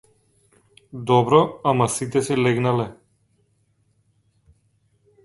Добро ама сите си легнале.